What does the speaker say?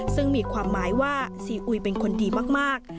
ซึ่งมีความหมายว่าซีอุยเป็นคนดีมาก